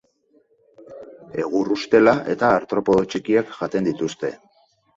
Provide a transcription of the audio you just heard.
Egur ustela eta artropodo txikiak jaten dituzte.